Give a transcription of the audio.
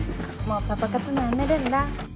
もうパパ活もやめるんだ。